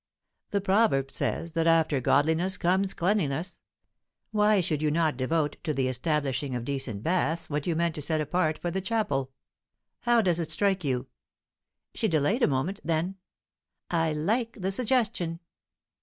"The proverb says that after godliness comes cleanliness. Why should you not devote to the establishing of decent baths what you meant to set apart for the chapel? How does it strike you?" She delayed a moment; then "I like the suggestion."